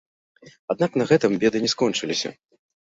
Аднак на гэтым беды не скончыліся.